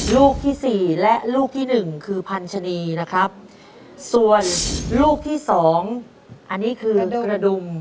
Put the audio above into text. ลูกที่สี่และลูกที่หนึ่งคือพันชนีนะครับส่วนลูกที่สองอันนี้คือกระดุม